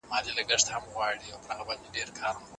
هغه د اصفهان ښار په بشپړ ډول تر خپل واک لاندې راوست.